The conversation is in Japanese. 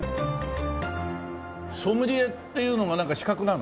ソムリエっていうのがなんか資格なの？